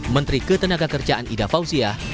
menteri ketenagakerjaan ida fauziah